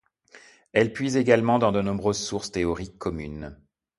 Elles puisent également dans de nombreuses sources théoriques communes.